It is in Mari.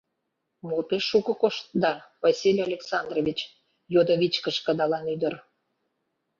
— Мо пеш шуко коштда, Василий Александрович? — йодо вичкыж кыдалан ӱдыр.